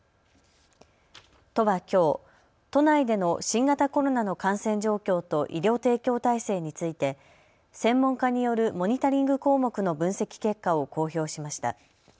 都はきょう、都内での新型コロナの感染状況と医療提供体制について専門家によるモニタリング項目の分析結果を公表しました。